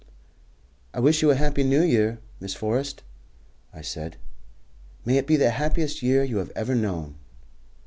"I wish you a happy new year, Miss Forrest," I said. "May it be the happiest year you have ever known."